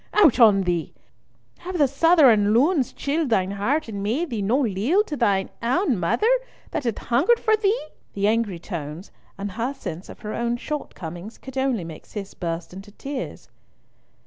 Out on thee! Have the Southron loons chilled thine heart and made thee no leal to thine ain mother that hath hungered for thee?" The angry tones, and her sense of her own shortcomings, could only make Cis burst into tears.